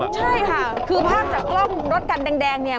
ใช่ค่ะคือภาพจากกล้องรถกันแดงเนี่ย